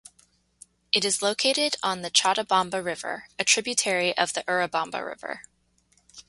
It is located on the Chontabamba River, a tributary of the Urubamba River.